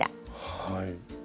はい。